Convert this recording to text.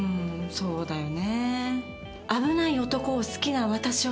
そうだよね。